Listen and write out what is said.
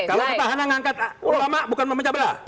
kalau petahana mengangkat ulama bukan memecah belah